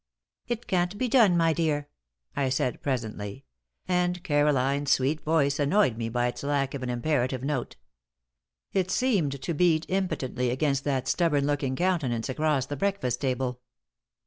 "It can't be done, my dear," I said, presently; and Caroline's sweet voice annoyed me by its lack of an imperative note. It seemed to beat impotently against that stubborn looking countenance across the breakfast table.